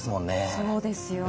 そうですよね。